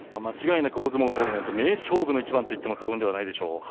間違いなく大相撲トーナメント名勝負の一番と言っても過言ではないでしょう。